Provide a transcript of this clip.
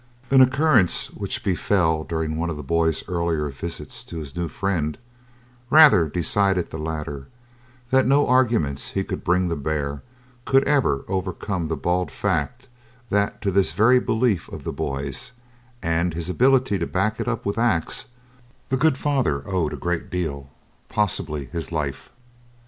An occurrence which befell during one of the boy's earlier visits to his new friend rather decided the latter that no arguments he could bring to bear could ever overcome the bald fact that to this very belief of the boy's, and his ability to back it up with acts, the good father owed a great deal, possibly his life.